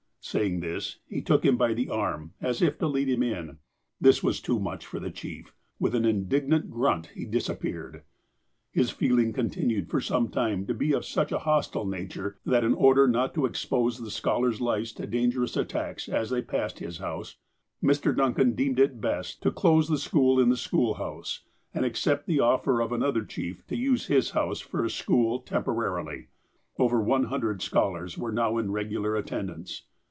Saying this, he took him by the arm, as if to lead him in. This was too much for the chief. With an indig nant grunt, he disappeared. His feeling continued for some time to be of such a hostile nature, that in order not to expose the scholars' lives to dangerous attacks as they passed his house, Mr. Duncan deemed it best to close the school in the school house, and accept the offer of another chief to use his house for a school, temporarily. Over one hundred scholars were now in regular attendance.